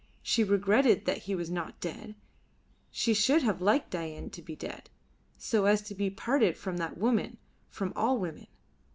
She regretted that he was not dead. She should have liked Dain to be dead, so as to be parted from that woman from all women.